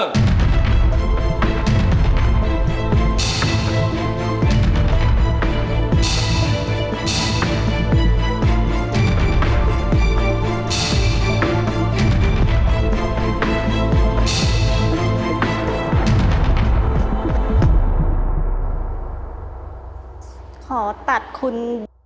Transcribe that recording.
ขอตัดคุณ